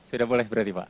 sudah boleh berarti pak